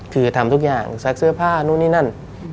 คือทำทุกอย่างซักเสื้อผ้านู่นนี่นั่น